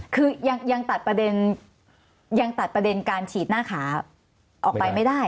คือยังตัดประเด็นการฉีดหน้าขาออกไปไม่ได้